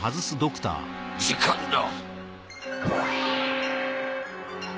時間だ。